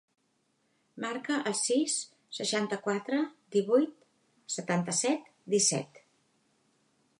Marca el sis, seixanta-quatre, divuit, setanta-set, disset.